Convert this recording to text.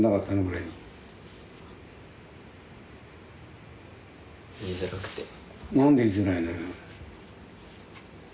何で言いづらいのよ。